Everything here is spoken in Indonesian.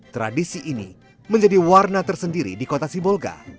tradisi ini menjadi warna tersendiri di kota sibolga